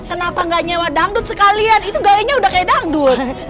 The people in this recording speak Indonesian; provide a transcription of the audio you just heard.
kenapa gak nyewa dangdut sekalian itu gayanya udah kayak dangdut